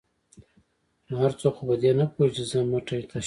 ـ نو هر څوک خو په دې نه پوهېږي چې زه مټۍ تشوم.